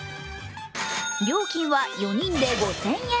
料金は４人で５０００円。